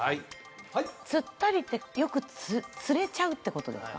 はい釣ったりってよく釣れちゃうってことですか？